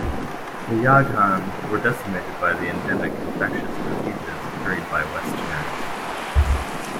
The Yaghan were decimated by the endemic infectious diseases carried by Westerners.